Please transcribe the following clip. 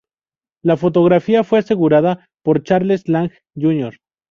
La fotografía fue asegurada por Charles Lang Jr.